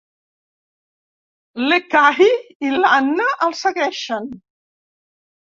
L'Ekahi i l'Anna el segueixen.